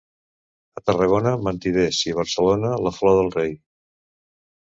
A Tarragona, mentiders, i a Barcelona, la flor del rei.